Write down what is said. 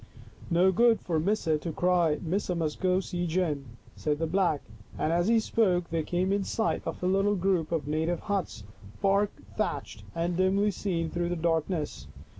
" No good for Missa to cry, Missa must go see gin," said the Black, and as he spoke they came in sight of a little group of native huts, bark thatched and dimly seen through the dark ness.